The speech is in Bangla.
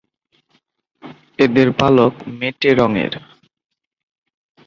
এদের পালক মেটে রঙের।